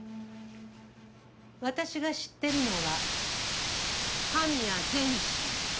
私が知ってるのは神矢前進。